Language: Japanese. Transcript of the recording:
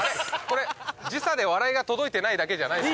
これ時差で笑いが届いてないだけじゃない？